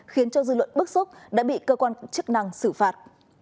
khiến cho dư luận bức xúc đã bị cơ quan chức năng xử phạt